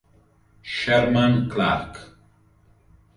Sherman Clark